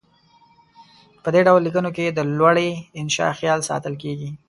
په دې ډول لیکنو کې د لوړې انشاء خیال ساتل کیږي.